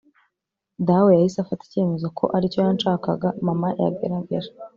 dawe yahise afata icyemezo ko aricyo yanshakaga. mama yagerageje